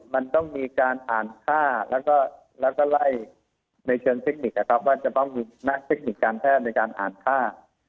มันต้องมีการอ่านค่าแล้วก็แลย่เทคนิคนะครับว่ามีนักเทคนิคการแท่ในการอ่านค่า